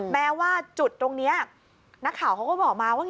แม้ว่าจุดตรงนี้นักข่าวเขาก็บอกมาว่า